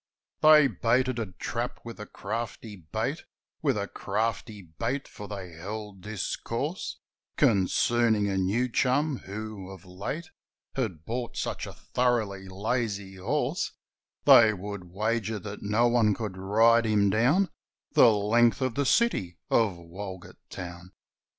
They baited a trap with a crafty bait, With a crafty bait, for they held discourse Concerning a new chum who of late Had bought such a thoroughly lazy horse; They would wager that no one could ride him down The length of the city of Walgett Town.